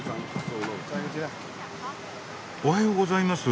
おはようございます。